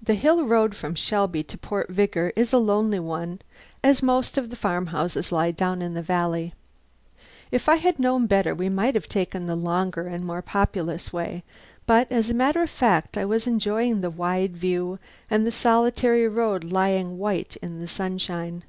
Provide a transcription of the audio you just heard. The hill road from Shelby to Port Vigor is a lonely one, as most of the farmhouses lie down in the valley. If I had known better we might have taken the longer and more populous way, but as a matter of fact I was enjoying the wide view and the solitary road lying white in the sunshine.